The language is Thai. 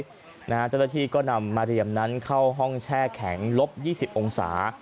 เจ้าหน้าที่ก็นำมาเรียมนั้นเข้าห้องแช่แข็งลบ๒๐องศา